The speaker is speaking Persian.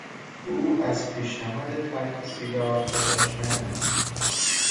او از پیشنهاد ترک سیگار خوشش نیامد.